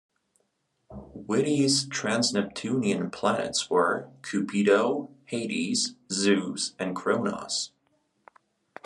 Witte's transneptunian planets were, Cupido, Hades, Zeus and Kronos.